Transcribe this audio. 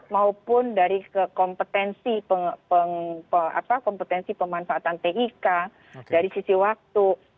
maupun dari kompetensi pemanfaatan tik dari sisi waktu